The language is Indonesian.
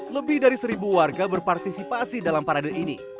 lebih dari seribu warga berpartisipasi dalam parade ini